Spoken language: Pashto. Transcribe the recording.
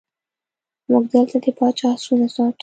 موږ دلته د پاچا آسونه ساتو.